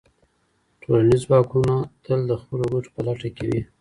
ټولنيز ځواکونه تل د خپلو ګټو په لټه کي وي.